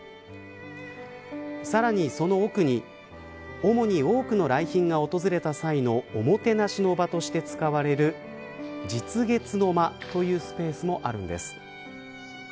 さらに、その奥に主に、多くの来賓が訪れた際のおもてなしの場として使われる日月の間というスペースもあるんです。